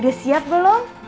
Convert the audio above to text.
udah siap belum